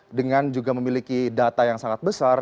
karena adanya mereka juga memiliki data yang sangat besar